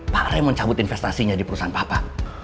pak raymond cabut investasinya di perusahaan papa